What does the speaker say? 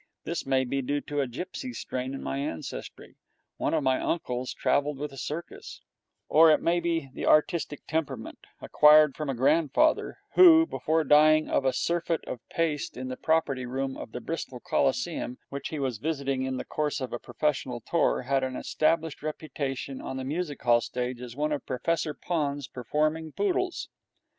This may be due to a gipsy strain in my ancestry one of my uncles travelled with a circus or it may be the Artistic Temperament, acquired from a grandfather who, before dying of a surfeit of paste in the property room of the Bristol Coliseum, which he was visiting in the course of a professional tour, had an established reputation on the music hall stage as one of Professor Pond's Performing Poodles.